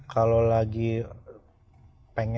kalau lagi pengen